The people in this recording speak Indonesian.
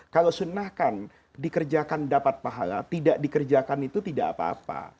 kalau sunnah kan dikerjakan dapat pahala tidak dikerjakan itu tidak apa apa